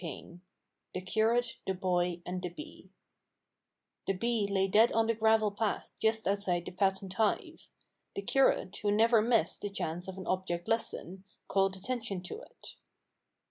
XVI THE CURATE, THE BOY, AND THE BEE THE bee lay dead on the gravel path just outside the patent hive. The curate, who never missed the chance of an object lesson, called attention to it.